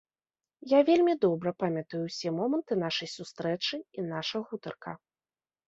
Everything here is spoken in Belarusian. Я вельмі добра памятаю ўсе моманты нашай сустрэчы і наша гутарка.